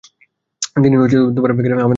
তিনি ঈশ্বর, তিনি আমার প্রেমাস্পদ।